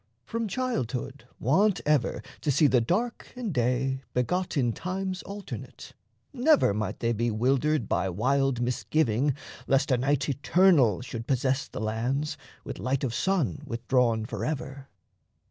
From childhood wont Ever to see the dark and day begot In times alternate, never might they be Wildered by wild misgiving, lest a night Eternal should possess the lands, with light Of sun withdrawn forever.